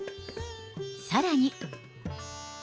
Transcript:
さらに。